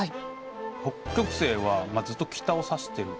北極星はずっと北を指してる。